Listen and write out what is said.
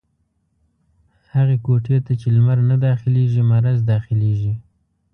هغي کوټې ته چې لمر نه داخلېږي ، مرض دا خلېږي.